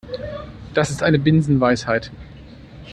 Das ist eine Binsenweisheit.